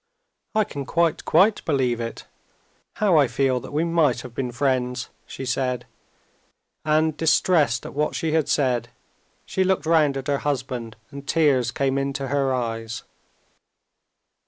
"I can quite, quite believe it. How I feel that we might have been friends!" she said; and, distressed at what she had said, she looked round at her husband, and tears came into her eyes.